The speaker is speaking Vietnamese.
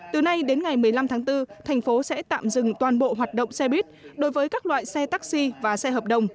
từ nay đến ngày một mươi năm tháng bốn thành phố sẽ tạm dừng toàn bộ hoạt động xe buýt đối với các loại xe taxi và xe hợp đồng